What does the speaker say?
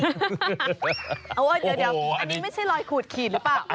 เดี๋ยวอันนี้ไม่ใช่รอยขูดขีดหรือเปล่า